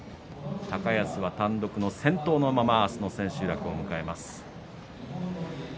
高安は単独の先頭のまま明日、千秋楽を迎えます。